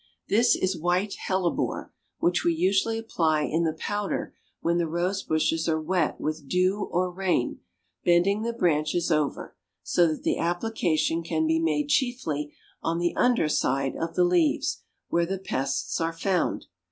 This is white hellebore which we usually apply in the powder when the Rose bushes are wet with dew or rain, bending the branches over, so that the application can be made chiefly on the under side of the leaves, where the pests are found.